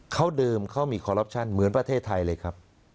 เขาเดิมเขามีคอรัปชั่นเหมือนประเทศไทยเลยครับ